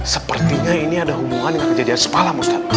sepertinya ini ada hubungan dengan kejadian sepalam ustad